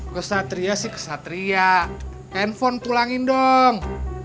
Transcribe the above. kesatria sih kesatria handphone tulangin dong